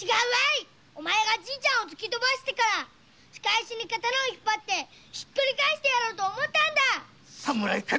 お前がじいちゃんを突きとばしたから仕返しに刀を引っ張ってひっくり返してやろうと思ったんだ！